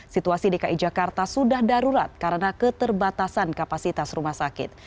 situasi dki jakarta sudah darurat karena keterbatasan kapasitas rumah sakit